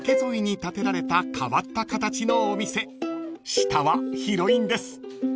［下は広いんです］